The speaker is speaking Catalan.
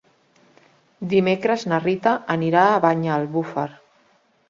Dimecres na Rita anirà a Banyalbufar.